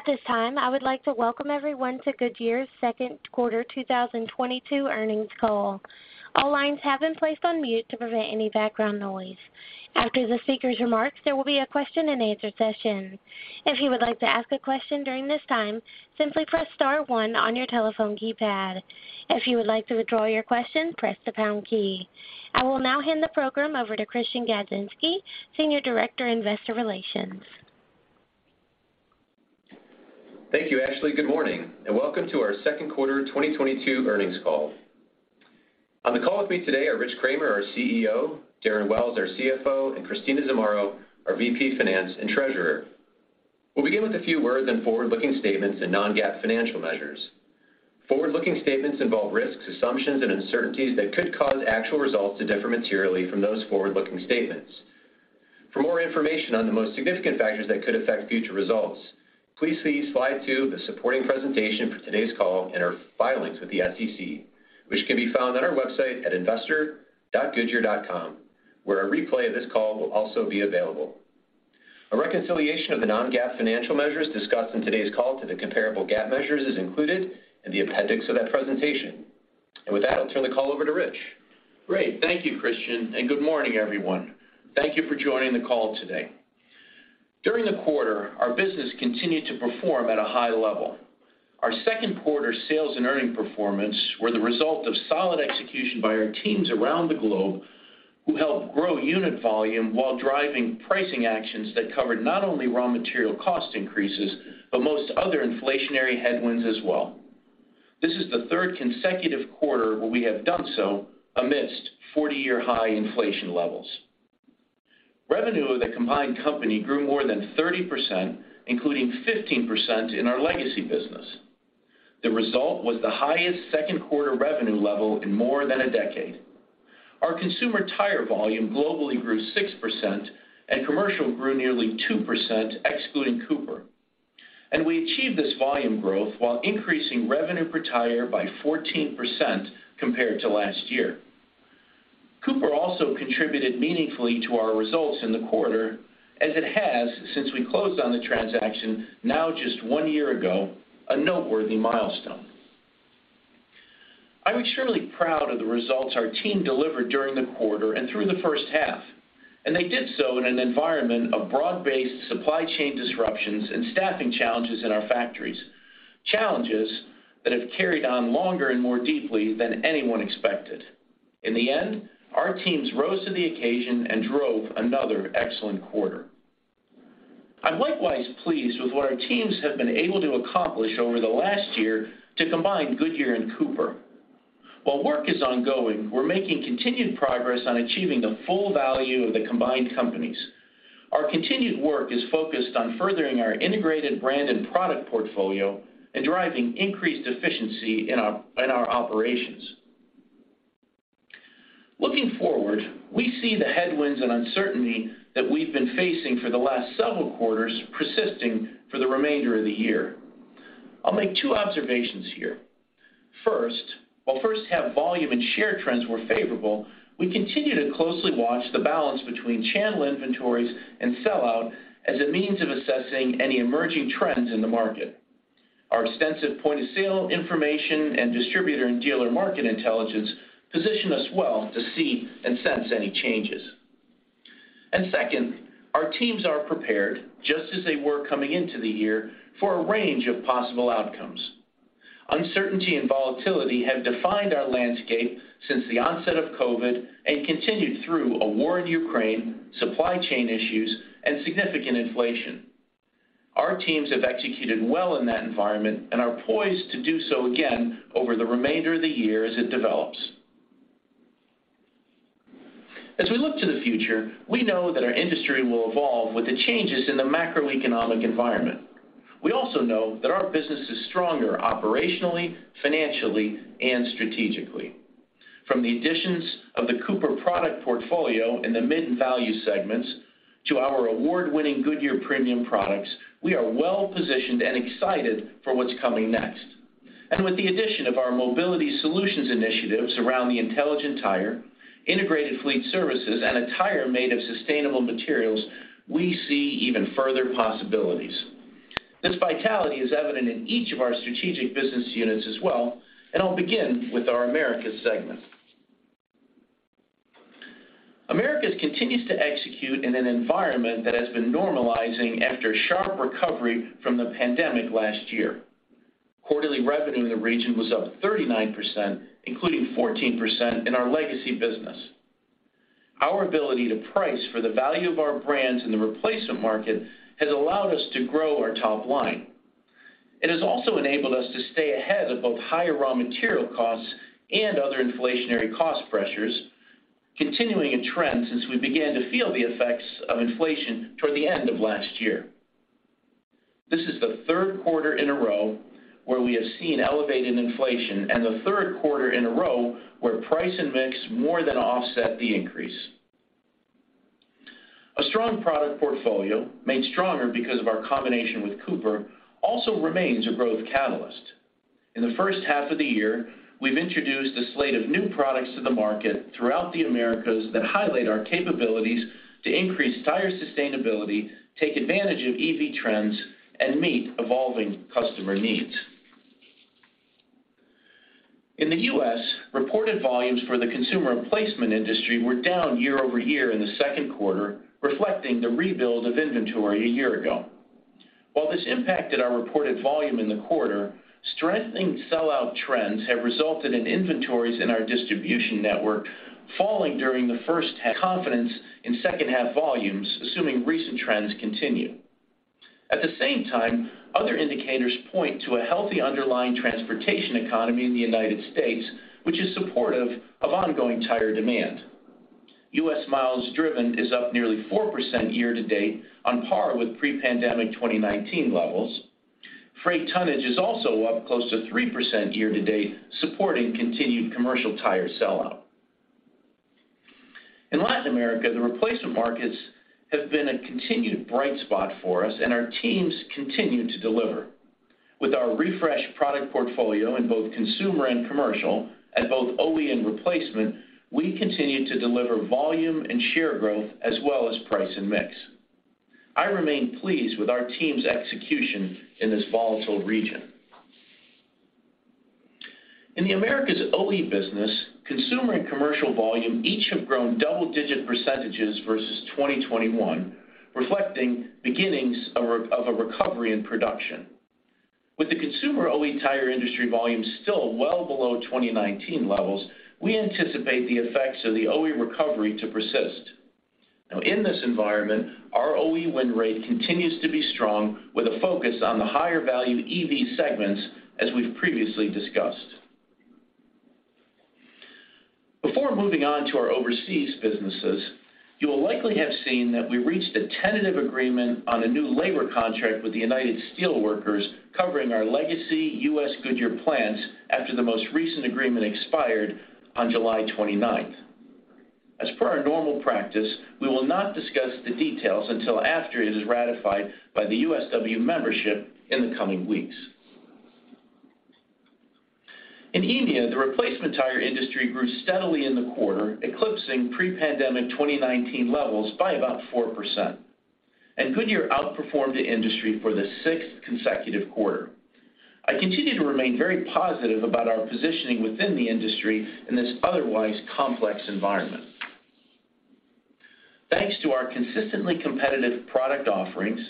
At this time, I would like to welcome everyone to Goodyear's second quarter 2022 earnings call. All lines have been placed on mute to prevent any background noise. After the speaker's remarks, there will be a question-and-answer session. If you would like to ask a question during this time, simply press star one on your telephone keypad. If you would like to withdraw your question, press the pound key. I will now hand the program over to Christian Gadzinski, Senior Director, Investor Relations. Thank you, Ashley. Good morning and welcome to our second quarter 2022 earnings call. On the call with me today are Rich Kramer, our CEO, Darren Wells, our CFO, and Christina Zamarro, our VP Finance and Treasurer. We'll begin with a few words on forward-looking statements and non-GAAP financial measures. Forward-looking statements involve risks, assumptions and uncertainties that could cause actual results to differ materially from those forward-looking statements. For more information on the most significant factors that could affect future results, please see slide 2 of the supporting presentation for today's call and our filings with the SEC, which can be found on our website at investor.goodyear.com, where a replay of this call will also be available. A reconciliation of the non-GAAP financial measures discussed in today's call to the comparable GAAP measures is included in the appendix of that presentation. With that, I'll turn the call over to Rich. Great. Thank you, Christian, and good morning, everyone. Thank you for joining the call today. During the quarter, our business continued to perform at a high level. Our second quarter sales and earning performance were the result of solid execution by our teams around the globe who helped grow unit volume while driving pricing actions that covered not only raw material cost increases, but most other inflationary headwinds as well. This is the third consecutive quarter where we have done so amidst 40-year high inflation levels. Revenue of the combined company grew more than 30%, including 15% in our legacy business. The result was the highest second quarter revenue level in more than a decade. Our consumer tire volume globally grew 6% and commercial grew nearly 2% excluding Cooper. We achieved this volume growth while increasing revenue per tire by 14% compared to last year. Cooper also contributed meaningfully to our results in the quarter as it has since we closed on the transaction now just one year ago, a noteworthy milestone. I'm extremely proud of the results our team delivered during the quarter and through the first half, and they did so in an environment of broad-based supply chain disruptions and staffing challenges in our factories, challenges that have carried on longer and more deeply than anyone expected. In the end, our teams rose to the occasion and drove another excellent quarter. I'm likewise pleased with what our teams have been able to accomplish over the last year to combine Goodyear and Cooper. While work is ongoing, we're making continued progress on achieving the full value of the combined companies. Our continued work is focused on furthering our integrated brand and product portfolio and driving increased efficiency in our operations. Looking forward, we see the headwinds and uncertainty that we've been facing for the last several quarters persisting for the remainder of the year. I'll make two observations here. First, while first half volume and share trends were favorable, we continue to closely watch the balance between channel inventories and sell-out as a means of assessing any emerging trends in the market. Our extensive point-of-sale information and distributor and dealer market intelligence position us well to see and sense any changes. Second, our teams are prepared, just as they were coming into the year, for a range of possible outcomes. Uncertainty and volatility have defined our landscape since the onset of COVID, and continued through a war in Ukraine, supply chain issues and significant inflation. Our teams have executed well in that environment and are poised to do so again over the remainder of the year as it develops. As we look to the future, we know that our industry will evolve with the changes in the macroeconomic environment. We also know that our business is stronger operationally, financially and strategically. From the additions of the Cooper product portfolio in the mid and value segments to our award-winning Goodyear premium products, we are well-positioned and excited for what's coming next. With the addition of our mobility solutions initiatives around the intelligent tire, integrated fleet services and a tire made of sustainable materials, we see even further possibilities. This vitality is evident in each of our strategic business units as well, and I'll begin with our Americas segment. Americas continues to execute in an environment that has been normalizing after a sharp recovery from the pandemic last year. Quarterly revenue in the region was up 39%, including 14% in our legacy business. Our ability to price for the value of our brands in the replacement market has allowed us to grow our top line. It has also enabled us to stay ahead of both higher raw material costs and other inflationary cost pressures, continuing a trend since we began to feel the effects of inflation toward the end of last year. This is the third quarter in a row where we have seen elevated inflation and the third quarter in a row where price and mix more than offset the increase. A strong product portfolio, made stronger because of our combination with Cooper, also remains a growth catalyst. In the first half of the year, we've introduced a slate of new products to the market throughout the Americas that highlight our capabilities to increase tire sustainability, take advantage of EV trends, and meet evolving customer needs. In the U.S., reported volumes for the consumer replacement industry were down year-over-year in the second quarter, reflecting the rebuild of inventory a year ago. While this impacted our reported volume in the quarter, strengthening sell-out trends have resulted in inventories in our distribution network falling during the first half, giving us confidence in second half volumes, assuming recent trends continue. At the same time, other indicators point to a healthy underlying transportation economy in the United States, which is supportive of ongoing tire demand. US miles driven is up nearly 4% year-to-date on par with pre-pandemic 2019 levels. Freight tonnage is also up close to 3% year-to-date, supporting continued commercial tire sell out. In Latin America, the replacement markets have been a continued bright spot for us, and our teams continue to deliver. With our refreshed product portfolio in both consumer and commercial, at both OE and replacement, we continue to deliver volume and share growth as well as price and mix. I remain pleased with our team's execution in this volatile region. In the Americas OE business, consumer and commercial volume each have grown double-digit percentages versus 2021, reflecting beginnings of a recovery in production. With the consumer OE tire industry volume still well below 2019 levels, we anticipate the effects of the OE recovery to persist. Now in this environment, our OE win rate continues to be strong with a focus on the higher value EV segments as we've previously discussed. Before moving on to our overseas businesses, you will likely have seen that we reached a tentative agreement on a new labor contract with the United Steelworkers covering our legacy U.S. Goodyear plants after the most recent agreement expired on July 29th. As per our normal practice, we will not discuss the details until after it is ratified by the USW membership in the coming weeks. In India, the replacement tire industry grew steadily in the quarter, eclipsing pre-pandemic 2019 levels by about 4%, and Goodyear outperformed the industry for the sixth consecutive quarter. I continue to remain very positive about our positioning within the industry in this otherwise complex environment. Thanks to our consistently competitive product offerings,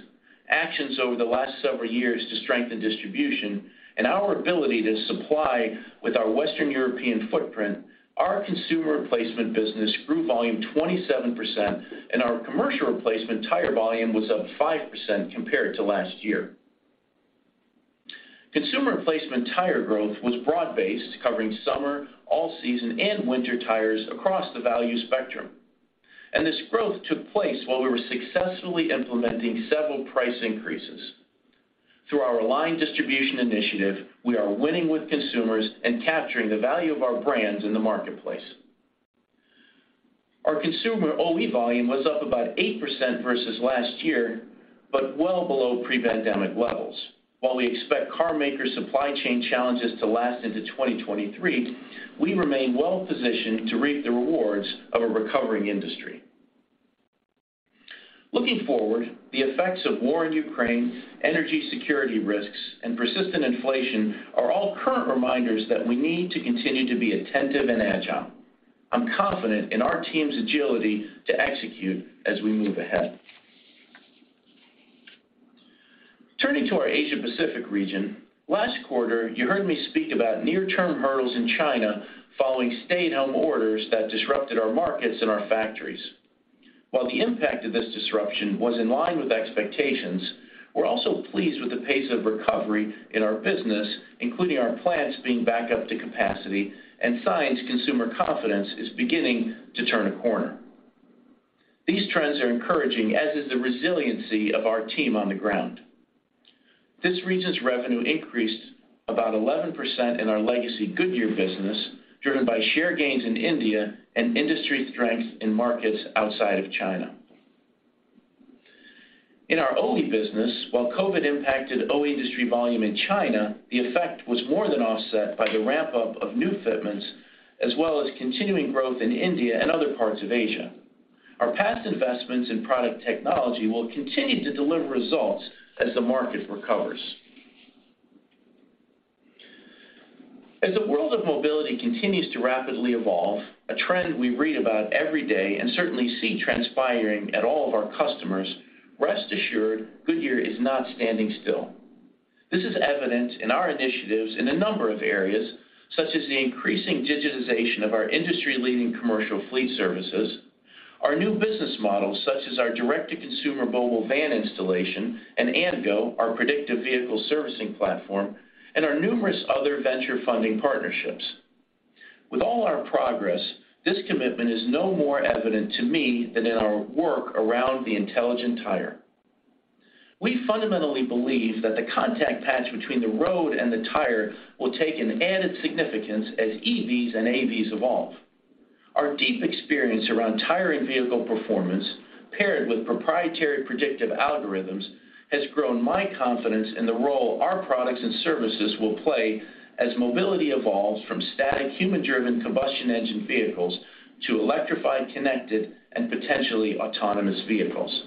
actions over the last several years to strengthen distribution, and our ability to supply with our Western European footprint, our consumer replacement business grew volume 27%, and our commercial replacement tire volume was up 5% compared to last year. Consumer replacement tire growth was broad-based, covering summer, all season, and winter tires across the value spectrum. This growth took place while we were successfully implementing several price increases. Through our aligned distribution initiative, we are winning with consumers and capturing the value of our brands in the marketplace. Our consumer OE volume was up about 8% versus last year, but well below pre-pandemic levels. While we expect car maker supply chain challenges to last into 2023, we remain well positioned to reap the rewards of a recovering industry. Looking forward, the effects of war in Ukraine, energy security risks, and persistent inflation are all current reminders that we need to continue to be attentive and agile. I'm confident in our team's agility to execute as we move ahead. Turning to our Asia Pacific region, last quarter, you heard me speak about near-term hurdles in China following stay-at-home orders that disrupted our markets and our factories. While the impact of this disruption was in line with expectations, we're also pleased with the pace of recovery in our business, including our plants being back up to capacity and signs consumer confidence is beginning to turn a corner. These trends are encouraging, as is the resiliency of our team on the ground. This region's revenue increased about 11% in our legacy Goodyear business, driven by share gains in India and industry strength in markets outside of China. In our OE business, while COVID impacted OE industry volume in China, the effect was more than offset by the ramp up of new fitments as well as continuing growth in India and other parts of Asia. Our past investments in product technology will continue to deliver results as the market recovers. As the world of mobility continues to rapidly evolve, a trend we read about every day and certainly see transpiring at all of our customers, rest assured Goodyear is not standing still. This is evident in our initiatives in a number of areas, such as the increasing digitization of our industry-leading commercial fleet services, our new business models such as our direct-to-consumer mobile van installation and AndGo, our predictive vehicle servicing platform, and our numerous other venture funding partnerships. With all our progress, this commitment is no more evident to me than in our work around the intelligent tire. We fundamentally believe that the contact patch between the road and the tire will take an added significance as EVs and AVs evolve. Our deep experience around tire and vehicle performance paired with proprietary predictive algorithms has grown my confidence in the role our products and services will play as mobility evolves from static human-driven combustion engine vehicles to electrified, connected and potentially autonomous vehicles.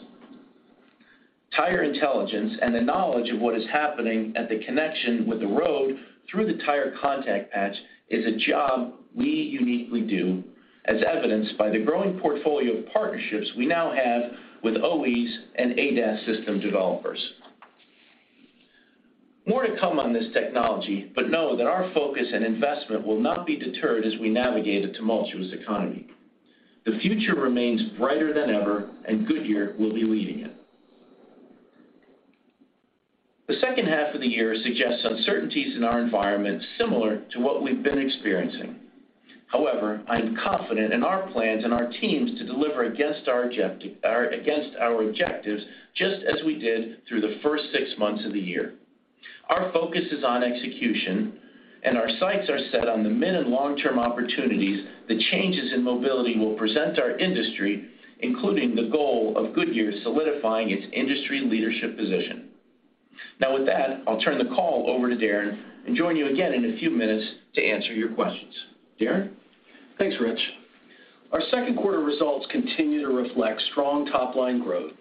Tire intelligence and the knowledge of what is happening at the connection with the road through the tire contact patch is a job we uniquely do as evidenced by the growing portfolio of partnerships we now have with OEs and ADAS system developers. More to come on this technology, but know that our focus and investment will not be deterred as we navigate a tumultuous economy. The future remains brighter than ever and Goodyear will be leading it. The second half of the year suggests uncertainties in our environment similar to what we've been experiencing. However, I am confident in our plans and our teams to deliver against our objectives, just as we did through the first six months of the year. Our focus is on execution and our sights are set on the mid and long-term opportunities the changes in mobility will present our industry, including the goal of Goodyear solidifying its industry leadership position. Now with that, I'll turn the call over to Darren and join you again in a few minutes to answer your questions. Darren? Thanks, Rich. Our second quarter results continue to reflect strong top-line growth,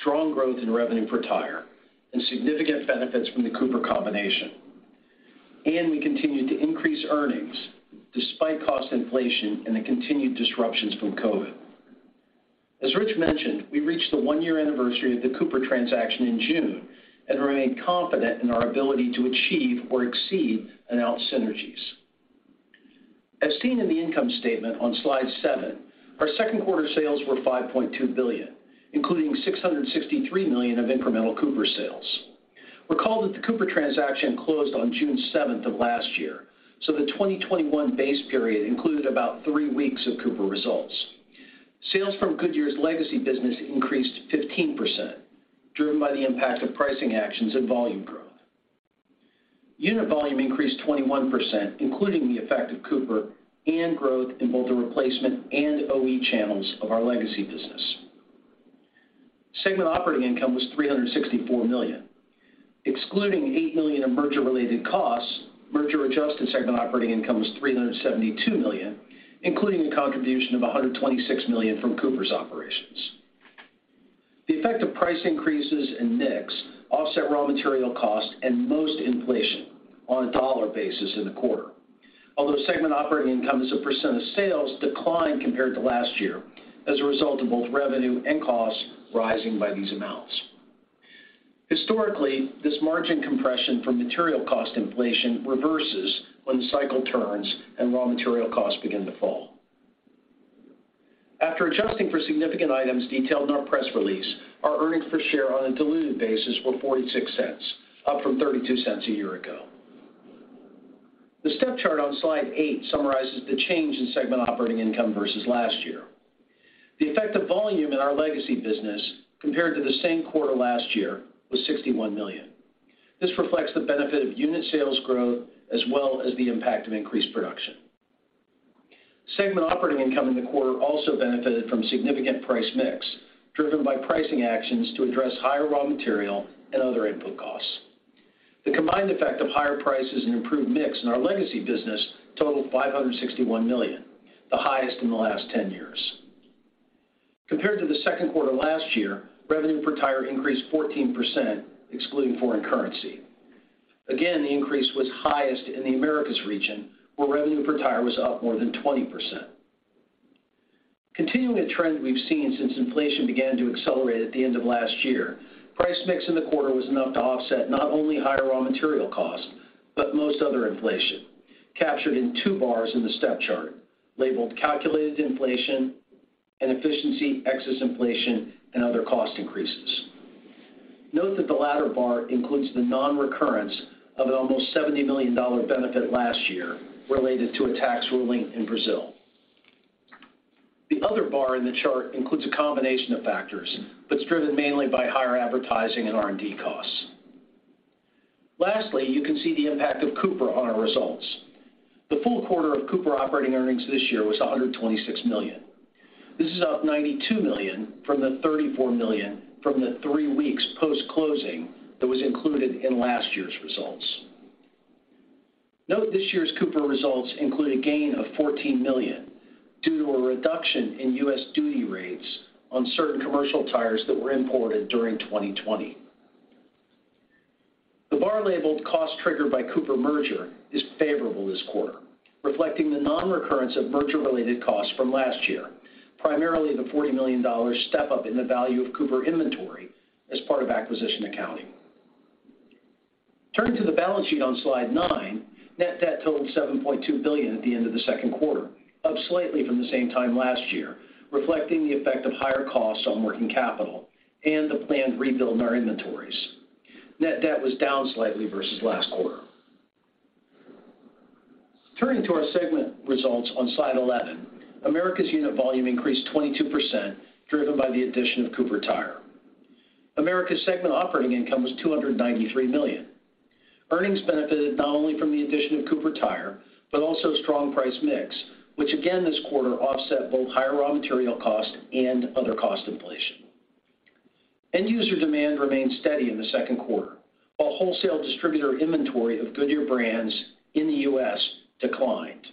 strong growth in revenue per tire, and significant benefits from the Cooper combination. We continued to increase earnings despite cost inflation and the continued disruptions from COVID. As Rich mentioned, we reached the one-year anniversary of the Cooper transaction in June and remain confident in our ability to achieve or exceed announced synergies. As seen in the income statement on slide 7, our second quarter sales were $5.2 billion, including $663 million of incremental Cooper sales. Recall that the Cooper transaction closed on June seventh of last year, so the 2021 base period included about three weeks of Cooper results. Sales from Goodyear's legacy business increased 15%, driven by the impact of pricing actions and volume growth. Unit volume increased 21%, including the effect of Cooper and growth in both the replacement and OE channels of our legacy business. Segment operating income was $364 million. Excluding $8 million in merger related costs, merger adjusted segment operating income was $372 million, including a contribution of $126 million from Cooper's operations. The effect of price increases in mix offset raw material cost and most inflation on a dollar basis in the quarter. Although segment operating income as a % of sales declined compared to last year as a result of both revenue and costs rising by these amounts. Historically, this margin compression from material cost inflation reverses when the cycle turns and raw material costs begin to fall. After adjusting for significant items detailed in our press release, our earnings per share on a diluted basis were $0.46, up from $0.32 a year ago. The step chart on slide 8 summarizes the change in segment operating income versus last year. The effect of volume in our legacy business compared to the same quarter last year was $61 million. This reflects the benefit of unit sales growth as well as the impact of increased production. Segment operating income in the quarter also benefited from significant price mix, driven by pricing actions to address higher raw material and other input costs. The combined effect of higher prices and improved mix in our legacy business totaled $561 million, the highest in the last 10 years. Compared to the second quarter last year, revenue per tire increased 14%, excluding foreign currency. Again, the increase was highest in the Americas region, where revenue per tire was up more than 20%. Continuing a trend we've seen since inflation began to accelerate at the end of last year, price mix in the quarter was enough to offset not only higher raw material costs, but most other inflation, captured in two bars in the step chart labeled calculated inflation and efficiency excess inflation and other cost increases. Note that the latter bar includes the non-recurrence of an almost $70 million benefit last year related to a tax ruling in Brazil. The other bar in the chart includes a combination of factors, but it's driven mainly by higher advertising and R&D costs. Lastly, you can see the impact of Cooper on our results. The full quarter of Cooper operating earnings this year was $126 million. This is up $92 million from the $34 million from the 3 weeks post-closing that was included in last year's results. Note this year's Cooper results include a gain of $14 million due to a reduction in U.S. duty rates on certain commercial tires that were imported during 2020. The bar labeled cost triggered by Cooper merger is favorable this quarter, reflecting the non-recurrence of merger-related costs from last year, primarily the $40 million step up in the value of Cooper inventory as part of acquisition accounting. Turning to the balance sheet on slide 9, net debt totaled $7.2 billion at the end of the second quarter, up slightly from the same time last year, reflecting the effect of higher costs on working capital and the planned rebuild in our inventories. Net debt was down slightly versus last quarter. Turning to our segment results on slide 11, Americas unit volume increased 22%, driven by the addition of Cooper Tire. Americas segment operating income was $293 million. Earnings benefited not only from the addition of Cooper Tire, but also strong price mix, which again this quarter offset both higher raw material costs and other cost inflation. End user demand remained steady in the second quarter, while wholesale distributor inventory of Goodyear brands in the U.S. declined.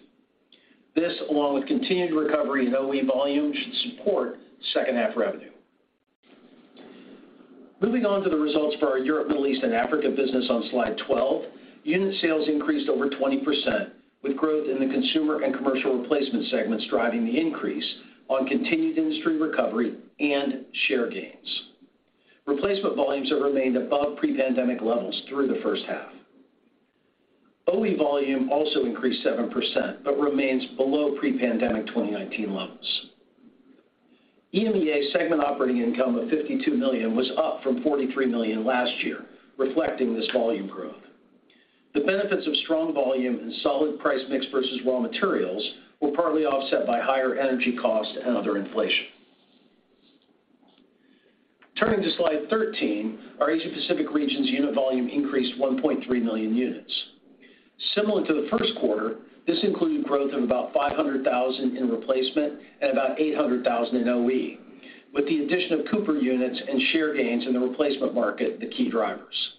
This, along with continued recovery in OE volume, should support second half revenue. Moving on to the results for our Europe, Middle East, and Africa business on slide 12, unit sales increased over 20%, with growth in the consumer and commercial replacement segments driving the increase on continued industry recovery and share gains. Replacement volumes have remained above pre-pandemic levels through the first half. OE volume also increased 7%, but remains below pre-pandemic 2019 levels. EMEA segment operating income of $52 million was up from $43 million last year, reflecting this volume growth. The benefits of strong volume and solid price mix versus raw materials were partly offset by higher energy costs and other inflation. Turning to slide 13, our Asia Pacific region's unit volume increased 1.3 million units. Similar to the first quarter, this included growth of about 500,000 in replacement and about 800,000 in OE, with the addition of Cooper units and share gains in the replacement market, the key drivers.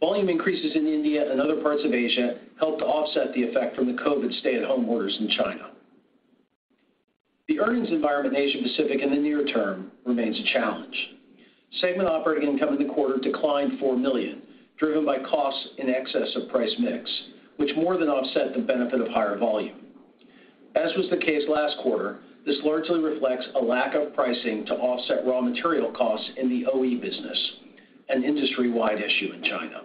Volume increases in India and other parts of Asia helped to offset the effect from the COVID stay-at-home orders in China. The earnings environment in Asia Pacific in the near term remains a challenge. Segment operating income in the quarter declined $4 million, driven by costs in excess of price mix, which more than offset the benefit of higher volume. As was the case last quarter, this largely reflects a lack of pricing to offset raw material costs in the OE business, an industry-wide issue in China.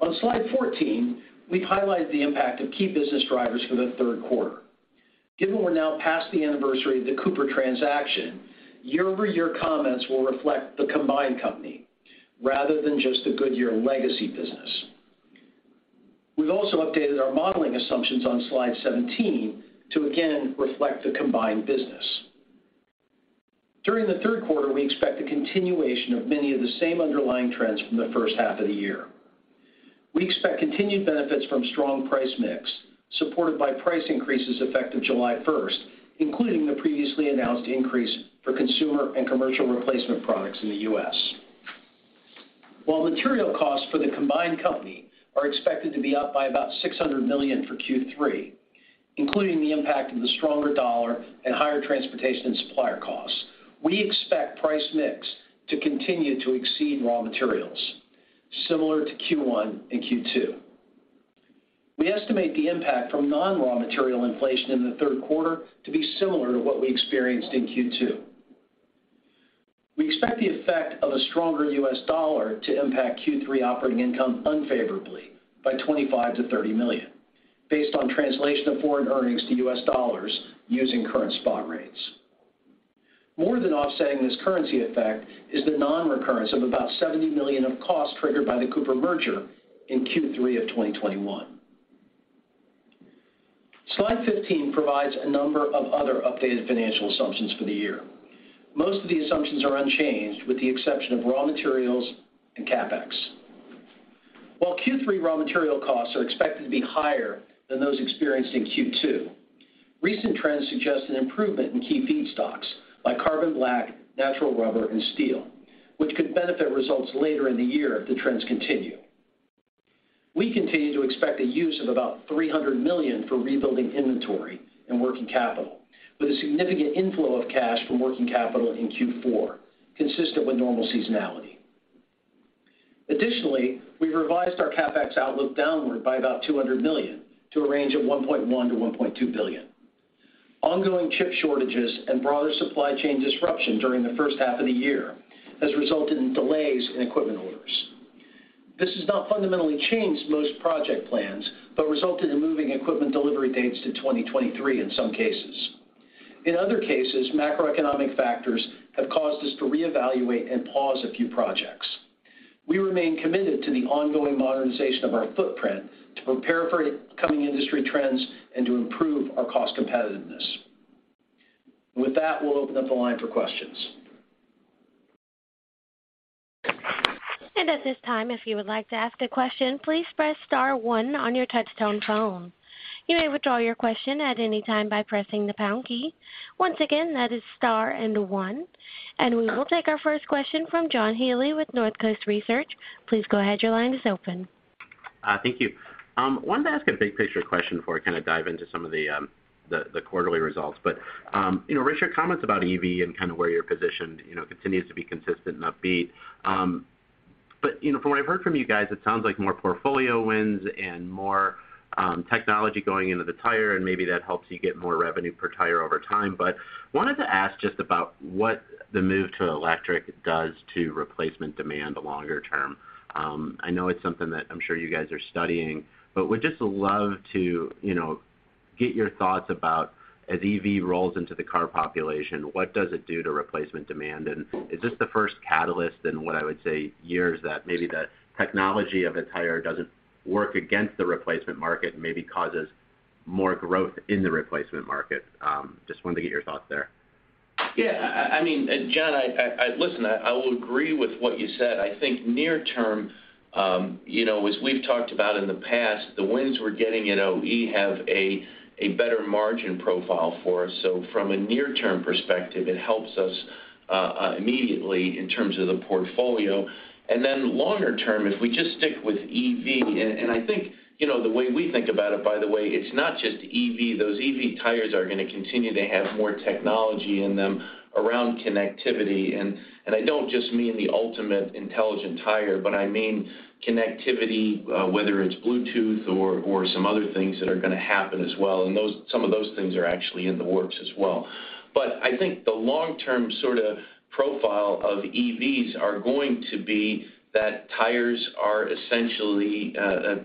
On slide 14, we've highlighted the impact of key business drivers for the third quarter. Given we're now past the anniversary of the Cooper transaction, year-over-year comments will reflect the combined company rather than just the Goodyear legacy business. We've also updated our modeling assumptions on slide 17 to again reflect the combined business. During the third quarter, we expect a continuation of many of the same underlying trends from the first half of the year. We expect continued benefits from strong price mix, supported by price increases effective July first, including the previously announced increase for consumer and commercial replacement products in the U.S. While material costs for the combined company are expected to be up by about $600 million for Q3, including the impact of the stronger dollar and higher transportation and supplier costs, we expect price mix to continue to exceed raw materials, similar to Q1 and Q2. We estimate the impact from non-raw material inflation in the third quarter to be similar to what we experienced in Q2. We expect the effect of a stronger U.S. dollar to impact Q3 operating income unfavorably by $25-$30 million based on translation of foreign earnings to U.S. dollars using current spot rates. More than offsetting this currency effect is the non-recurrence of about $70 million of costs triggered by the Cooper merger in Q3 of 2021. Slide 15 provides a number of other updated financial assumptions for the year. Most of the assumptions are unchanged with the exception of raw materials and CapEx. While Q3 raw material costs are expected to be higher than those experienced in Q2, recent trends suggest an improvement in key feedstocks like carbon black, natural rubber, and steel, which could benefit results later in the year if the trends continue. We continue to expect a use of about $300 million for rebuilding inventory and working capital, with a significant inflow of cash from working capital in Q4, consistent with normal seasonality. Additionally, we revised our CapEx outlook downward by about $200 million to a range of $1.1 billion-$1.2 billion. Ongoing chip shortages and broader supply chain disruption during the first half of the year has resulted in delays in equipment orders. This has not fundamentally changed most project plans, but resulted in moving equipment delivery dates to 2023 in some cases. In other cases, macroeconomic factors have caused us to reevaluate and pause a few projects. We remain committed to the ongoing modernization of our footprint to prepare for coming industry trends and to improve our cost competitiveness. With that, we'll open up the line for questions. At this time, if you would like to ask a question, please press star one on your touchtone phone. You may withdraw your question at any time by pressing the pound key. Once again, that is star and one. We will take our first question from John Healy with Northcoast Research. Please go ahead, your line is open. Thank you. Wanted to ask a big picture question before I kind of dive into some of the quarterly results. You know, Rich, your comments about EV and kind of where you're positioned, you know, continues to be consistent and upbeat. You know, from what I've heard from you guys, it sounds like more portfolio wins and more technology going into the tire, and maybe that helps you get more revenue per tire over time. Wanted to ask just about what the move to electric does to replacement demand longer term. I know it's something that I'm sure you guys are studying, but would just love to, you know, get your thoughts about as EV rolls into the car population, what does it do to replacement demand? Is this the first catalyst in what I would say years that maybe the technology of a tire doesn't work against the replacement market and maybe causes more growth in the replacement market. Just wanted to get your thoughts there. Yeah, I mean, John, listen, I will agree with what you said. I think near term, you know, as we've talked about in the past, the wins we're getting in OE have a better margin profile for us. From a near-term perspective, it helps us immediately in terms of the portfolio. Then longer term, if we just stick with EV, I think, you know, the way we think about it, by the way, it's not just EV. Those EV tires are gonna continue to have more technology in them around connectivity, I don't just mean the ultimate intelligent tire, but I mean connectivity, whether it's Bluetooth or some other things that are gonna happen as well. Some of those things are actually in the works as well. I think the long-term sort of profile of EVs is going to be that tires are essentially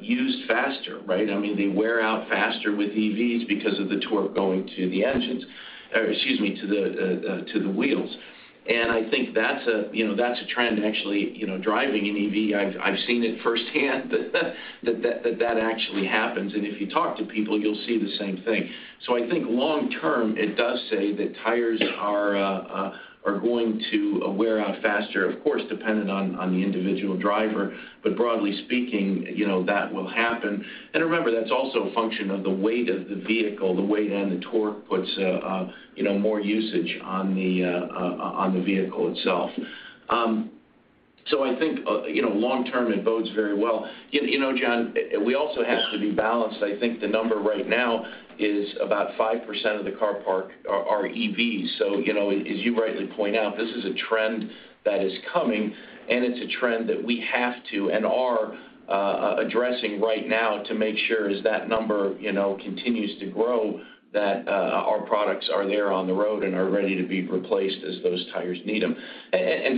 used faster, right? I mean, they wear out faster with EVs because of the torque going to the wheels. I think that's a trend actually, you know, driving an EV, I've seen it firsthand that actually happens. If you talk to people, you'll see the same thing. I think long term, it does say that tires are going to wear out faster, of course, dependent on the individual driver. Broadly speaking, you know, that will happen. Remember, that's also a function of the weight of the vehicle. The weight and the torque puts more usage on the vehicle itself. I think you know, long term it bodes very well. You know, John, we also have to be balanced. I think the number right now is about 5% of the car park are EVs. You know, as you rightly point out, this is a trend that is coming, and it's a trend that we have to and are addressing right now to make sure as that number continues to grow, that our products are there on the road and are ready to be replaced as those tires need them.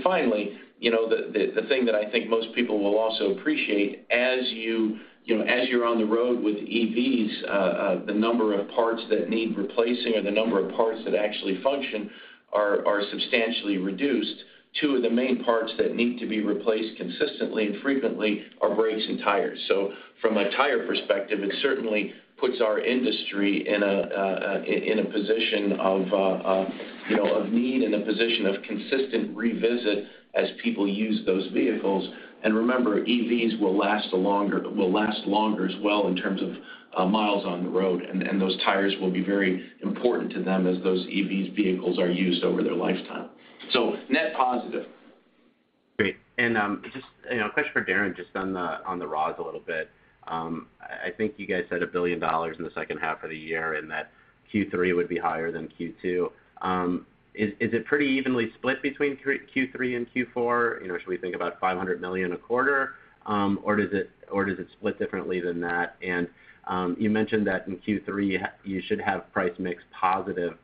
Finally, you know, the thing that I think most people will also appreciate, as you know, as you're on the road with EVs, the number of parts that need replacing or the number of parts that actually function are substantially reduced. Two of the main parts that need to be replaced consistently and frequently are brakes and tires. From a tire perspective, it certainly puts our industry in a position of, you know, of need and a position of consistent revisit as people use those vehicles. Remember, EVs will last longer as well in terms of miles on the road, and those tires will be very important to them as those EVs vehicles are used over their lifetime. Net positive. Great. Just, you know, a question for Darren, just on the raws a little bit. I think you guys said $1 billion in the second half of the year and that Q3 would be higher than Q2. Is it pretty evenly split between Q3 and Q4? You know, should we think about $500 million a quarter, or does it split differently than that? You mentioned that in Q3 you should have price mix positive.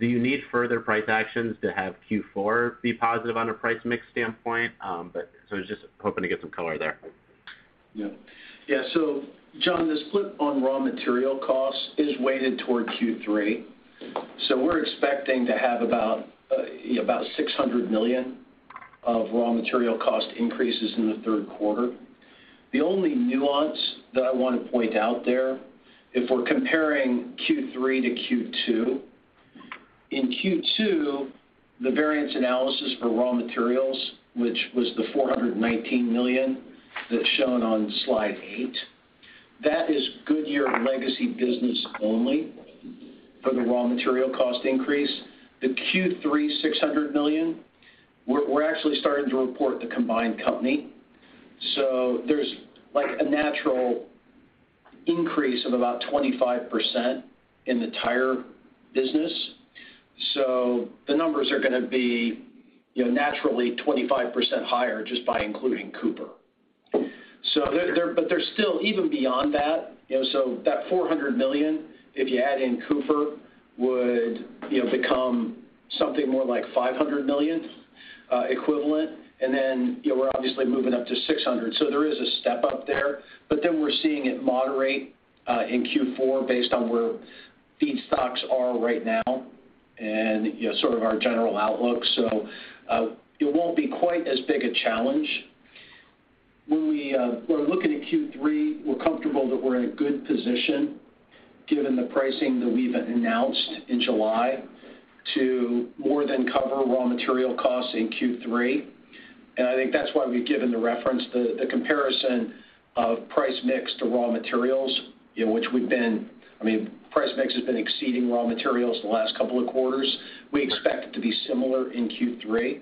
Do you need further price actions to have Q4 be positive on a price mix standpoint? I was just hoping to get some color there. Yeah. Yeah. John, the split on raw material costs is weighted toward Q3. We're expecting to have about, you know, about $600 million of raw material cost increases in the third quarter. The only nuance that I wanna point out there, if we're comparing Q3 to Q2, in Q2, the variance analysis for raw materials, which was the $419 million that's shown on slide eight, that is Goodyear legacy business only for the raw material cost increase. The Q3 $600 million, we're actually starting to report the combined company, so there's like a natural increase of about 25% in the tire business. The numbers are gonna be, you know, naturally 25% higher just by including Cooper. They're, but they're still even beyond that, you know, so that $400 million, if you add in Cooper, would, you know, become something more like $500 million equivalent, and then, you know, we're obviously moving up to $600 million. There is a step up there, but then we're seeing it moderate in Q4 based on where feedstocks are right now and, you know, sort of our general outlook. It won't be quite as big a challenge. When we're looking at Q3, we're comfortable that we're in a good position given the pricing that we've announced in July to more than cover raw material costs in Q3. I think that's why we've given the reference, the comparison of price mix to raw materials, you know, price mix has been exceeding raw materials the last couple of quarters. We expect it to be similar in Q3.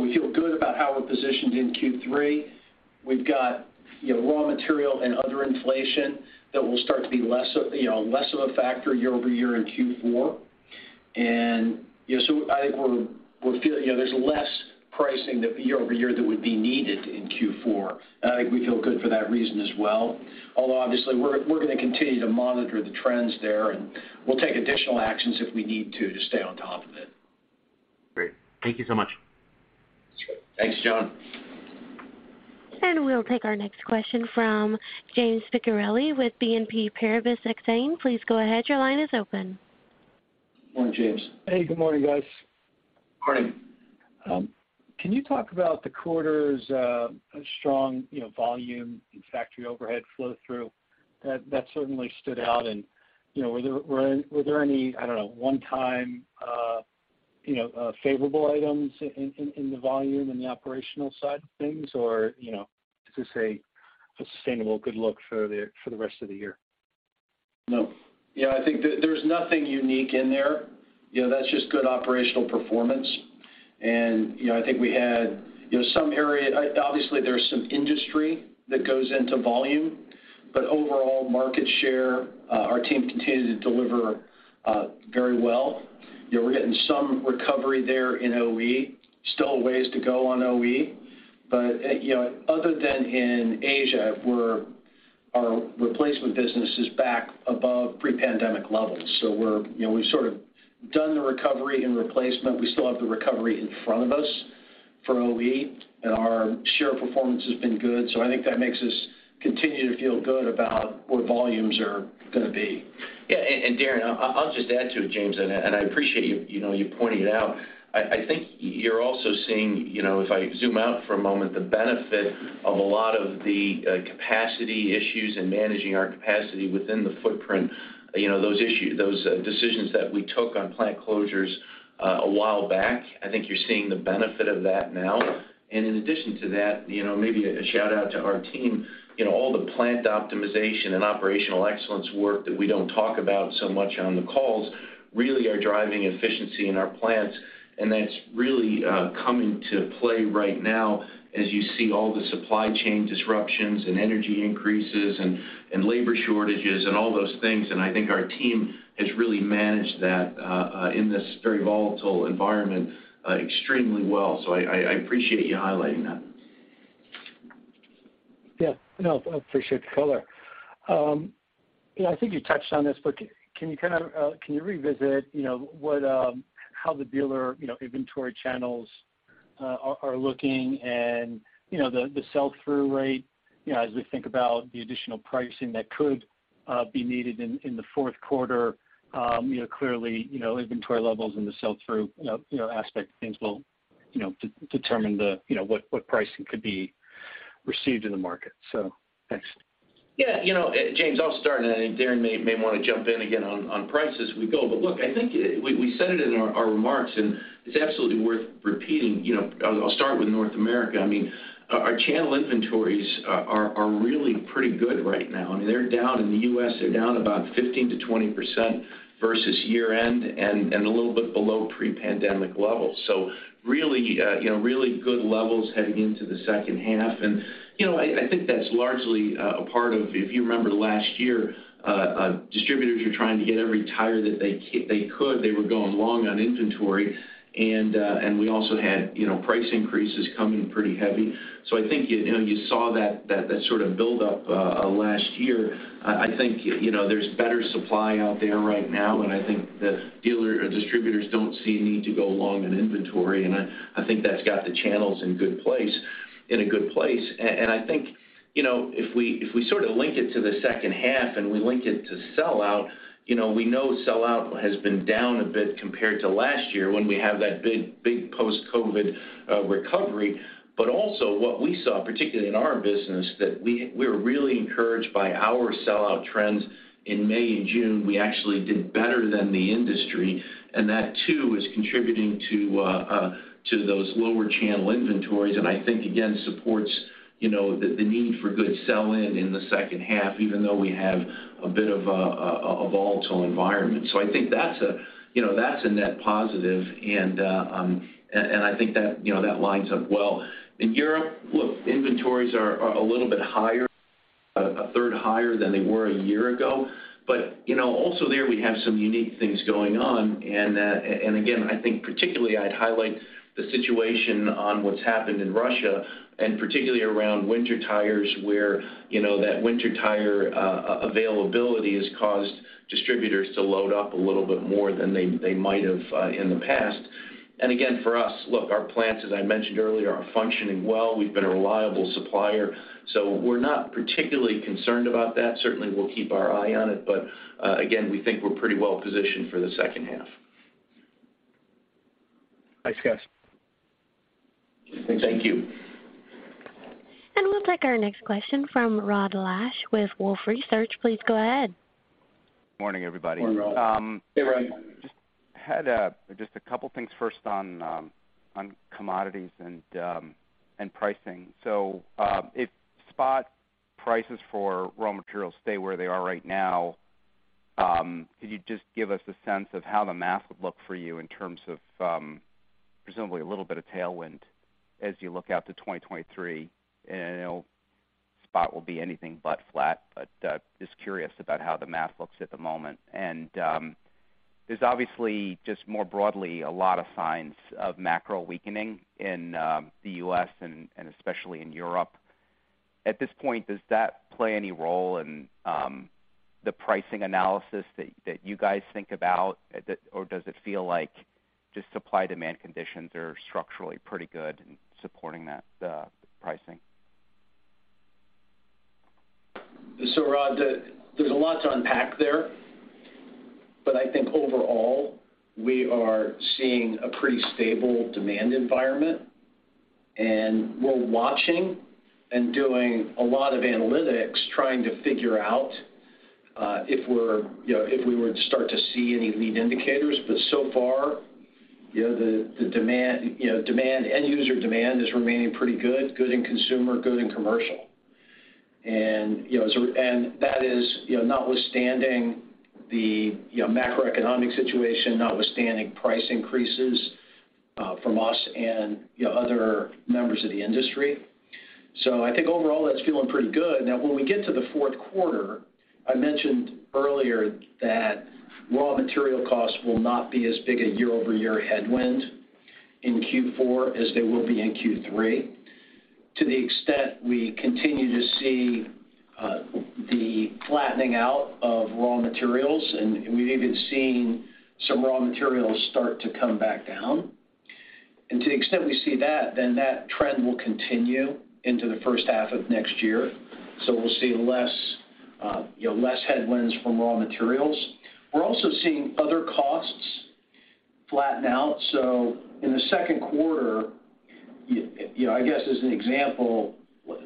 We feel good about how we're positioned in Q3. We've got, you know, raw material and other inflation that will start to be less of a factor year-over-year in Q4. I think you know, there's less pricing that year-over-year that would be needed in Q4. I think we feel good for that reason as well. Although obviously, we're gonna continue to monitor the trends there, and we'll take additional actions if we need to stay on top of it. Great. Thank you so much. Sure. Thanks, John. We'll take our next question from James Picariello with BNP Paribas Exane. Please go ahead. Your line is open. Morning, James. Hey, good morning, guys. Morning. Can you talk about the quarter's strong, you know, volume and factory overhead flow through? That certainly stood out and, you know, were there any, I don't know, one-time, you know, favorable items in the volume and the operational side of things? You know, is this a sustainable good look for the rest of the year? No. Yeah, I think there's nothing unique in there. You know, that's just good operational performance. You know, I think we had, you know, Obviously, there's some industry that goes into volume, but overall market share, our team continued to deliver very well. You know, we're getting some recovery there in OE. Still ways to go on OE. You know, other than in Asia, our replacement business is back above pre-pandemic levels. We're, you know, we've sort of done the recovery in replacement. We still have the recovery in front of us for OE, and our share performance has been good. I think that makes us continue to feel good about where volumes are gonna be. Yeah. Darren, I'll just add to it, James, and I appreciate you know, you pointing it out. I think you're also seeing, you know, if I zoom out for a moment, the benefit of a lot of the capacity issues and managing our capacity within the footprint, you know, those decisions that we took on plant closures a while back. I think you're seeing the benefit of that now. In addition to that, you know, maybe a shout-out to our team, you know, all the plant optimization and operational excellence work that we don't talk about so much on the calls really are driving efficiency in our plants, and that's really coming to play right now as you see all the supply chain disruptions and energy increases and labor shortages and all those things. I think our team has really managed that, in this very volatile environment, extremely well. I appreciate you highlighting that. Yeah. No, I appreciate the color. You know, I think you touched on this, but can you kind of revisit you know what how the dealer you know inventory channels are looking and you know the sell-through rate you know as we think about the additional pricing that could be needed in the fourth quarter. You know, clearly, you know, inventory levels and the sell-through you know aspect of things will you know determine the you know what pricing could be received in the market. Thanks. Yeah. You know, James, I'll start, and I think Darren may wanna jump in again on price as we go. Look, I think we said it in our remarks, and it's absolutely worth repeating. You know, I'll start with North America. I mean, our channel inventories are really pretty good right now. I mean, they're down in the US. They're down about 15%-20% versus year-end and a little bit below pre-pandemic levels. Really, you know, really good levels heading into the second half. You know, I think that's largely a part of, if you remember last year, distributors were trying to get every tire that they could. They were going long on inventory. We also had, you know, price increases coming pretty heavy. I think, you know, you saw that sort of build up last year. I think, you know, there's better supply out there right now, and I think the dealer or distributors don't see a need to go long on inventory. I think that's got the channels in a good place. I think, you know, if we sort of link it to the second half and we link it to sell out, you know, we know sell out has been down a bit compared to last year when we have that big post-COVID recovery. Also what we saw, particularly in our business, that we're really encouraged by our sell out trends. In May and June, we actually did better than the industry, and that too is contributing to those lower channel inventories and I think again supports you know the need for good sell-in in the second half, even though we have a bit of a volatile environment. I think that's a net positive, and I think that you know that lines up well. In Europe, look, inventories are a little bit higher, a third higher than they were a year ago. You know, also there we have some unique things going on. I think particularly I'd highlight the situation on what's happened in Russia and particularly around winter tires, where, you know, that winter tire availability has caused distributors to load up a little bit more than they might have in the past. Again, for us, look, our plants, as I mentioned earlier, are functioning well. We've been a reliable supplier. We're not particularly concerned about that. Certainly, we'll keep our eye on it, but again, we think we're pretty well positioned for the second half. Thanks, guys. Thank you. We'll take our next question from Rod Lache with Wolfe Research. Please go ahead. Morning, everybody. Morning, Rod. Hey, Rod. Just had a couple things first on commodities and pricing. If spot prices for raw materials stay where they are right now, could you just give us a sense of how the math would look for you in terms of presumably a little bit of tailwind as you look out to 2023? I know spot will be anything but flat, but just curious about how the math looks at the moment. There's obviously just more broadly a lot of signs of macro weakening in the U.S. and especially in Europe. At this point, does that play any role in the pricing analysis that you guys think about or does it feel like just supply-demand conditions are structurally pretty good in supporting that pricing? Rod, there's a lot to unpack there. I think overall, we are seeing a pretty stable demand environment, and we're watching and doing a lot of analytics trying to figure out if we were to start to see any lead indicators. So far, you know, end user demand is remaining pretty good in consumer, good in commercial. That is, you know, notwithstanding the macroeconomic situation, notwithstanding price increases from us and other members of the industry. I think overall that's feeling pretty good. Now, when we get to the fourth quarter, I mentioned earlier that raw material costs will not be as big a year-over-year headwind in Q4 as they will be in Q3. To the extent we continue to see the flattening out of raw materials, and we've even seen some raw materials start to come back down. To the extent we see that, then that trend will continue into the first half of next year. We'll see less, you know, less headwinds from raw materials. We're also seeing other costs flatten out. In the second quarter, you know, I guess as an example,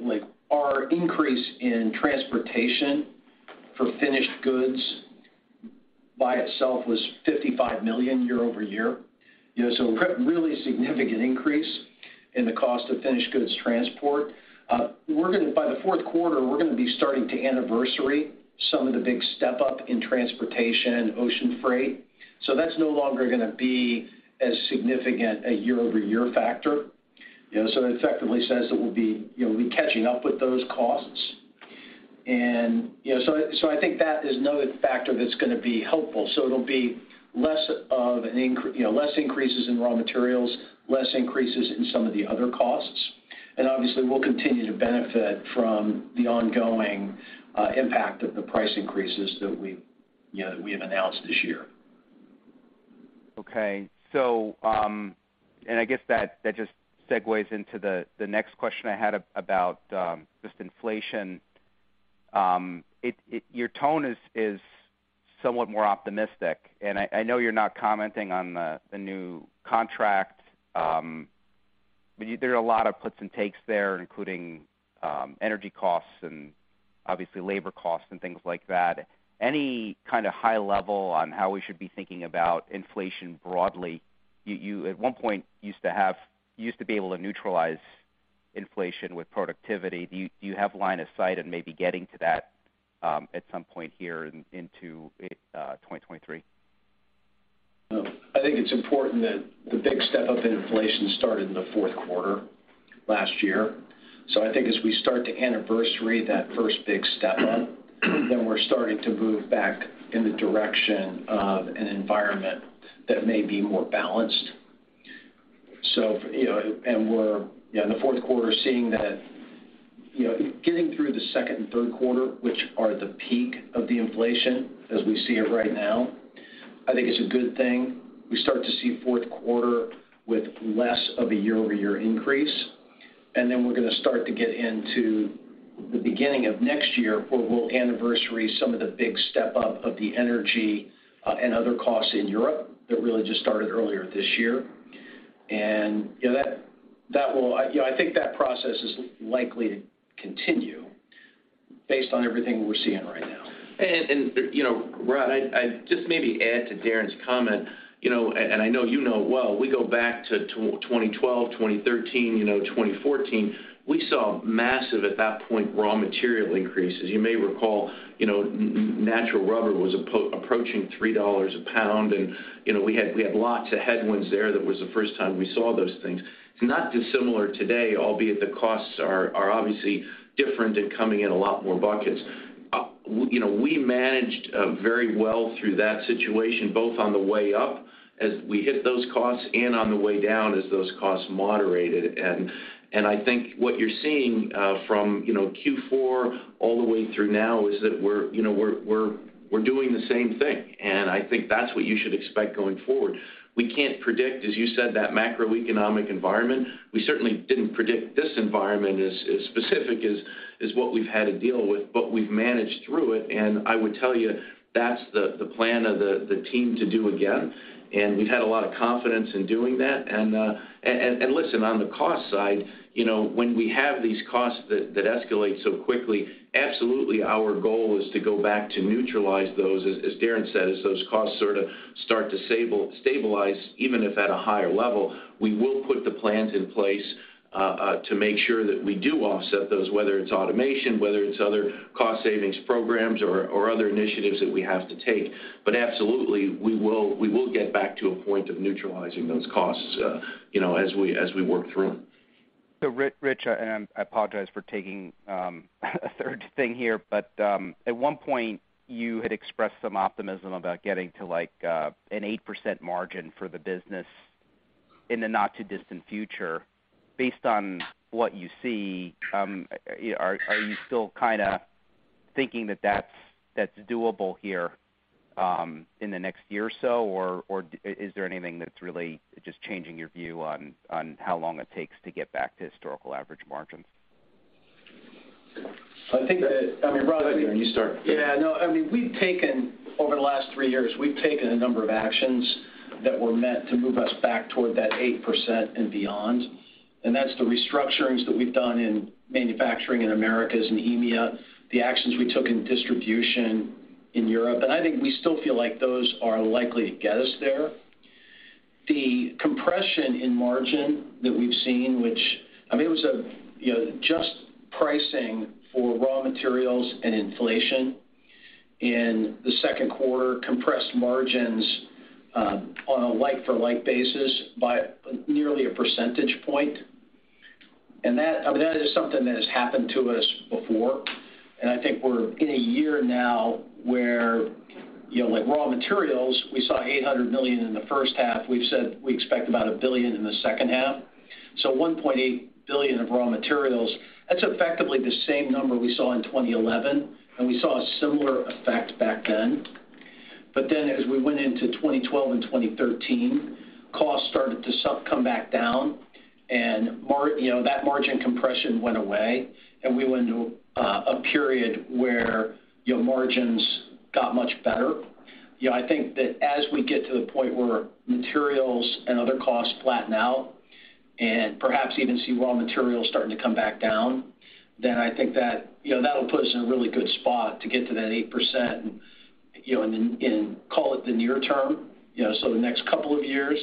like our increase in transportation for finished goods by itself was $55 million year-over-year. You know, really significant increase in the cost of finished goods transport. By the fourth quarter, we're gonna be starting to anniversary some of the big step-up in transportation and ocean freight. That's no longer gonna be as significant a year-over-year factor. It effectively says that we'll be, you know, we'll be catching up with those costs. I think that is another factor that's gonna be helpful. It'll be less increases in raw materials, less increases in some of the other costs. Obviously, we'll continue to benefit from the ongoing impact of the price increases that we, you know, that we have announced this year. Okay. I guess that just segues into the next question I had about just inflation. Your tone is somewhat more optimistic, and I know you're not commenting on the new contract. But there are a lot of puts and takes there, including energy costs and obviously labor costs and things like that. Any kind of high level on how we should be thinking about inflation broadly? You at one point used to be able to neutralize inflation with productivity. Do you have line of sight and maybe getting to that at some point here into 2023? No. I think it's important that the big step-up in inflation started in the fourth quarter last year. I think as we start to anniversary that first big step-up, then we're starting to move back in the direction of an environment that may be more balanced. You know, and we're, yeah, in the fourth quarter seeing that, you know, getting through the second and third quarter, which are the peak of the inflation as we see it right now, I think it's a good thing. We start to see fourth quarter with less of a year-over-year increase, and then we're gonna start to get into the beginning of next year where we'll anniversary some of the big step-up of the energy, and other costs in Europe that really just started earlier this year. You know, I think that process is likely to continue based on everything we're seeing right now. You know, Rod, I'd just maybe add to Darren's comment, you know, and I know you know well, we go back to 2012, 2013, you know, 2014, we saw massive, at that point, raw material increases. You may recall, you know, natural rubber was approaching $3 a pound, and, you know, we had lots of headwinds there. That was the first time we saw those things. It's not dissimilar today, albeit the costs are obviously different and coming in a lot more buckets. You know, we managed very well through that situation, both on the way up as we hit those costs and on the way down as those costs moderated. I think what you're seeing from you know Q4 all the way through now is that we're you know we're doing the same thing, and I think that's what you should expect going forward. We can't predict, as you said, that macroeconomic environment. We certainly didn't predict this environment as specific as what we've had to deal with, but we've managed through it. I would tell you that's the plan of the team to do again, and we've had a lot of confidence in doing that. Listen, on the cost side, you know, when we have these costs that escalate so quickly, absolutely our goal is to go back to neutralize those. As Darren said, as those costs sort of start to stabilize, even if at a higher level, we will put the plans in place, to make sure that we do offset those, whether it's automation, whether it's other cost savings programs or other initiatives that we have to take. Absolutely, we will get back to a point of neutralizing those costs, you know, as we work through them. Rich, and I apologize for taking a third thing here, but at one point, you had expressed some optimism about getting to like an 8% margin for the business in the not too distant future. Based on what you see, are you still kinda thinking that that's doable here in the next year or so, or is there anything that's really just changing your view on how long it takes to get back to historical average margins? I think that, I mean, Rod, you start. Yeah, no. I mean, we've taken over the last three years a number of actions that were meant to move us back toward that 8% and beyond. That's the restructurings that we've done in manufacturing in Americas and EMEA, the actions we took in distribution in Europe. I think we still feel like those are likely to get us there. The compression in margin that we've seen, which, I mean, it was a, you know, just pricing for raw materials and inflation in the second quarter, compressed margins on a like-for-like basis by nearly a percentage point. That, I mean, that is something that has happened to us before, and I think we're in a year now where, you know, like raw materials, we saw $800 million in the first half. We've said we expect about $1 billion in the second half. $1.8 billion of raw materials, that's effectively the same number we saw in 2011, and we saw a similar effect back then. Costs started to come back down, and you know, that margin compression went away, and we went to a period where you know, margins got much better. You know, I think that as we get to the point where materials and other costs flatten out and perhaps even see raw materials starting to come back down, then I think that you know, that'll put us in a really good spot to get to that 8% you know, in the, in call it the near term, you know, so the next couple of years.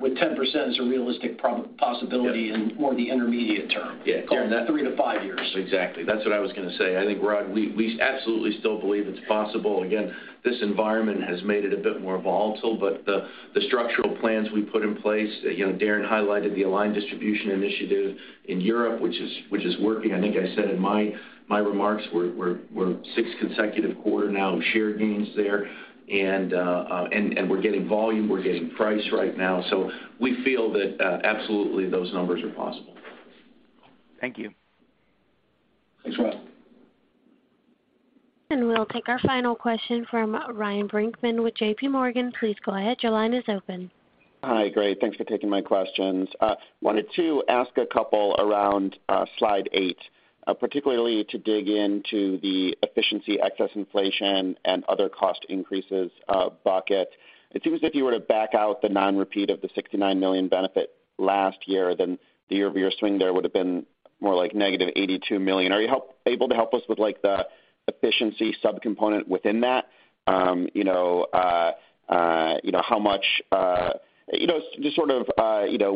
With 10% is a realistic possibility. Yeah In more the intermediate term. Yeah. During that 3-5 years. Exactly. That's what I was gonna say. I think, Rod, we absolutely still believe it's possible. Again, this environment has made it a bit more volatile, but the structural plans we put in place, you know, Darren highlighted the aligned distribution initiative in Europe, which is working. I think I said in my remarks, we're six consecutive quarters now of share gains there. We're getting volume, we're getting price right now. We feel that absolutely those numbers are possible. Thank you. Thanks, Rod. We'll take our final question from Ryan Brinkman with J.P. Morgan. Please go ahead. Your line is open. Hi. Great, thanks for taking my questions. Wanted to ask a couple around slide 8, particularly to dig into the efficiency, excess inflation and other cost increases bucket. It seems if you were to back out the non-repeat of the $69 million benefit last year, then the year-over-year swing there would have been more like negative $82 million. Are you able to help us with like the efficiency subcomponent within that? You know how much, just sort of,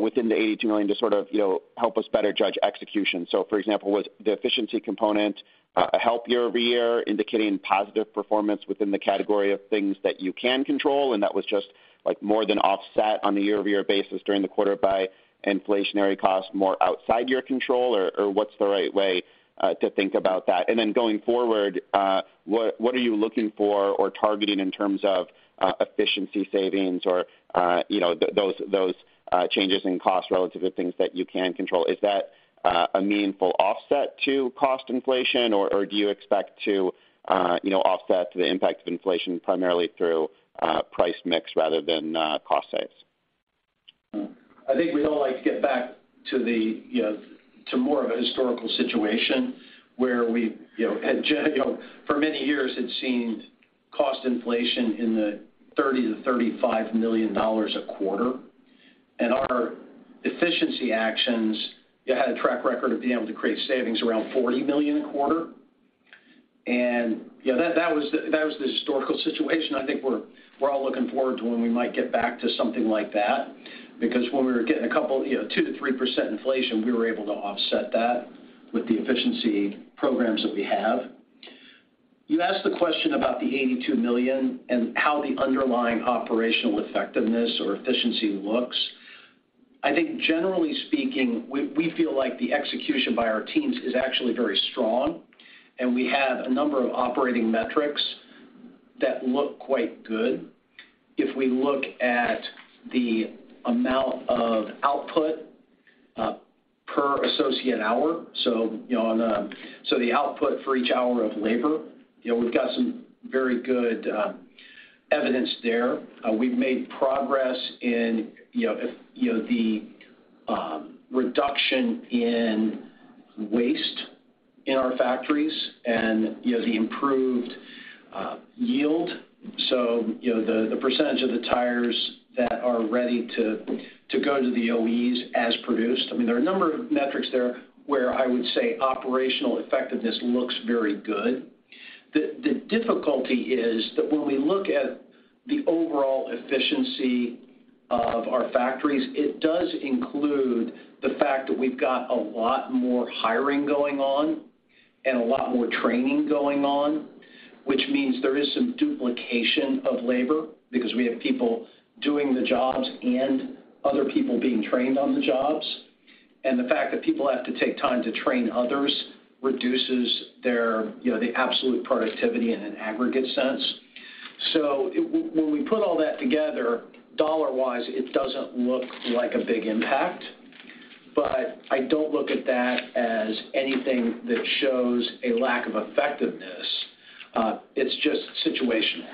within the $82 million, just sort of, you know, help us better judge execution. For example, was the efficiency component a healthier year indicating positive performance within the category of things that you can control, and that was just like more than offset on a year-over-year basis during the quarter by inflationary costs more outside your control, or what's the right way to think about that? Then going forward, what are you looking for or targeting in terms of efficiency savings or, you know, those changes in cost relative to things that you can control? Is that a meaningful offset to cost inflation, or do you expect to, you know, offset the impact of inflation primarily through price mix rather than cost saves? I think we'd all like to get back to the, you know, to more of a historical situation where we've, you know, had you know, for many years had seen cost inflation in the $30-$35 million a quarter. Our efficiency actions, they had a track record of being able to create savings around $40 million a quarter. You know, that was the historical situation. I think we're all looking forward to when we might get back to something like that. Because when we were getting a couple, you know, 2%-3% inflation, we were able to offset that with the efficiency programs that we have. You asked the question about the $82 million and how the underlying operational effectiveness or efficiency looks. I think generally speaking, we feel like the execution by our teams is actually very strong, and we have a number of operating metrics that look quite good. If we look at the amount of output per associate hour, you know, the output for each hour of labor, you know, we've got some very good evidence there. We've made progress in the reduction in waste in our factories and the improved yield, you know, the percentage of the tires that are ready to go to the OEs as produced. I mean, there are a number of metrics there where I would say operational effectiveness looks very good. The difficulty is that when we look at the overall efficiency of our factories, it does include the fact that we've got a lot more hiring going on and a lot more training going on, which means there is some duplication of labor because we have people doing the jobs and other people being trained on the jobs. The fact that people have to take time to train others reduces their, you know, the absolute productivity in an aggregate sense. When we put all that together, dollar-wise, it doesn't look like a big impact. I don't look at that as anything that shows a lack of effectiveness. It's just situational.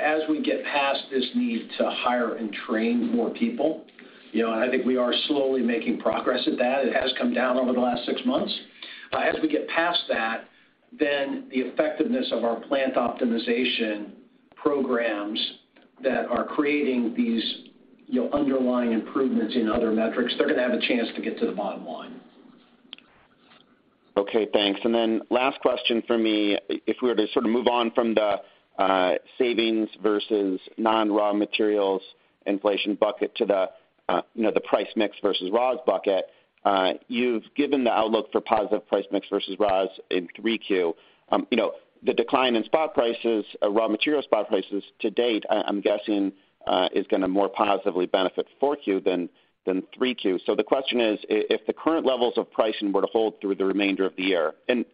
As we get past this need to hire and train more people, you know, and I think we are slowly making progress at that, it has come down over the last six months. As we get past that, then the effectiveness of our plant optimization programs that are creating these, you know, underlying improvements in other metrics, they're gonna have a chance to get to the bottom line. Okay, thanks. Last question for me. If we were to sort of move on from the savings versus non-raw materials inflation bucket to the, you know, the price mix versus raws bucket, you've given the outlook for positive price mix versus raws in 3Q. You know, the decline in spot prices, raw material spot prices to date, I'm guessing, is gonna more positively benefit 4Q than 3Q. The question is, if the current levels of pricing were to hold through the remainder of the year, and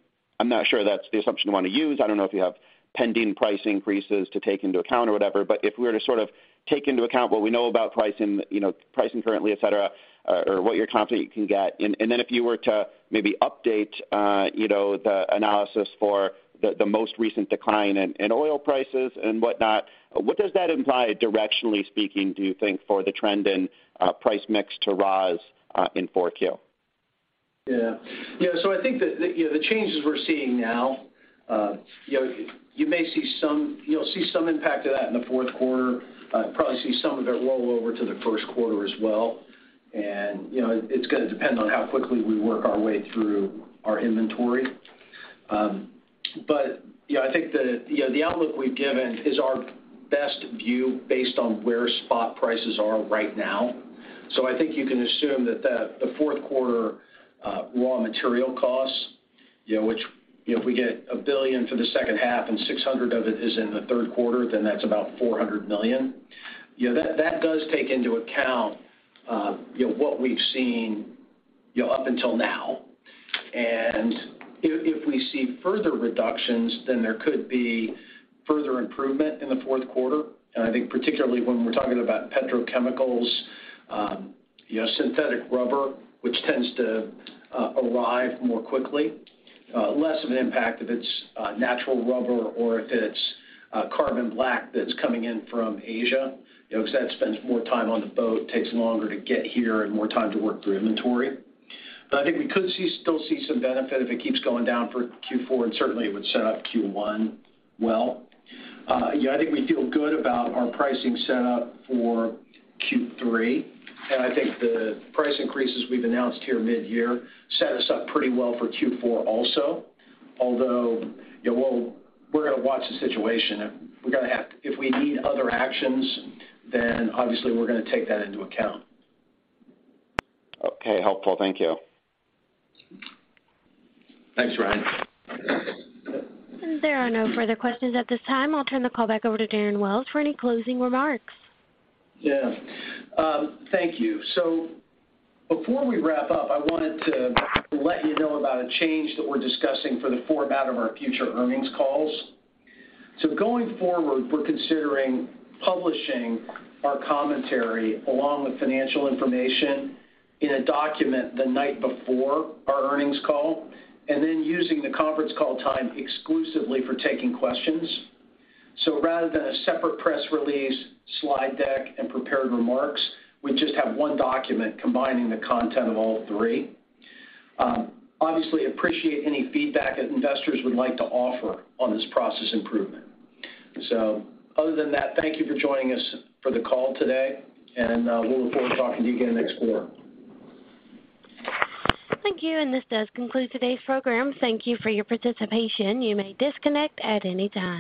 I'm not sure that's the assumption you wanna use, I don't know if you have pending price increases to take into account or whatever. If we were to sort of take into account what we know about pricing, you know, pricing currently, et cetera, or what you're confident you can get, and then if you were to maybe update, you know, the analysis for the most recent decline in oil prices and whatnot, what does that imply directionally speaking, do you think, for the trend in price mix to raws in 4Q? Yeah. Yeah, I think that, you know, the changes we're seeing now, you know, you'll see some impact of that in the fourth quarter, probably see some of it roll over to the first quarter as well. You know, it's gonna depend on how quickly we work our way through our inventory. Yeah, I think the, you know, the outlook we've given is our best view based on where spot prices are right now. I think you can assume that the fourth quarter raw material costs, you know, which, you know, if we get $1 billion for the second half and $600 million of it is in the third quarter, then that's about $400 million. You know, that does take into account, you know, what we've seen, you know, up until now. If we see further reductions, then there could be further improvement in the fourth quarter. I think particularly when we're talking about petrochemicals, you know, synthetic rubber, which tends to arrive more quickly. Less of an impact if it's natural rubber or if it's carbon black that's coming in from Asia, you know, 'cause that spends more time on the boat, takes longer to get here and more time to work through inventory. I think we could see some benefit if it keeps going down for Q4, and certainly it would set up Q1 well. Yeah, I think we feel good about our pricing setup for Q3. I think the price increases we've announced here mid-year set us up pretty well for Q4 also. Although, yeah, we're gonna watch the situation. If we need other actions, then obviously we're gonna take that into account. Okay. Helpful. Thank you. Thanks, Ryan. There are no further questions at this time. I'll turn the call back over to Darren Wells for any closing remarks. Yeah, thank you. Before we wrap up, I wanted to let you know about a change that we're discussing for the format of our future earnings calls. Going forward, we're considering publishing our commentary along with financial information in a document the night before our earnings call, and then using the conference call time exclusively for taking questions. Rather than a separate press release, slide deck, and prepared remarks, we just have one document combining the content of all three. Obviously appreciate any feedback that investors would like to offer on this process improvement. Other than that, thank you for joining us for the call today, and we'll look forward to talking to you again next quarter. Thank you, and this does conclude today's program. Thank you for your participation. You may disconnect at any time.